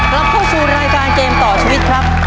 กลับเข้าสู่รายการเกมต่อชีวิตครับ